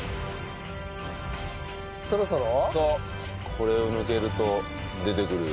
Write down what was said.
これを抜けると出てくるよ。